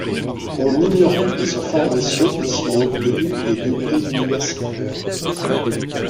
On ignore tout de sa formation et s'il a obtenu des degrés universitaires.